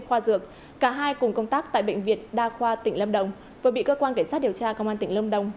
khoa dược cả hai cùng công tác tại bệnh viện đa khoa tỉnh lâm đồng vừa bị cơ quan cảnh sát điều tra công an tỉnh lâm đồng